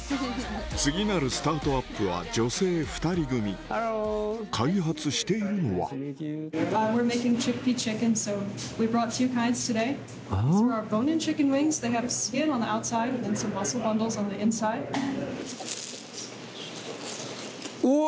次なるスタートアップは女性２人組開発しているのはうわ！